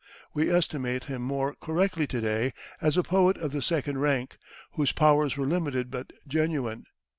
We estimate him more correctly to day as a poet of the second rank, whose powers were limited but genuine.